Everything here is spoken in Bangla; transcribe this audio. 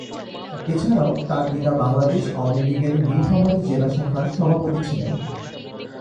এছাড়াও তার পিতা বাংলাদেশ আওয়ামী লীগের নীলফামারী জেলা শাখার সভাপতি ছিলেন।